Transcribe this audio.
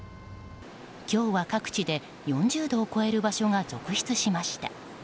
今日は各地で４０度を超える場所が続出しました。